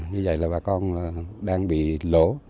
vì vậy là bà con đang bị lỗ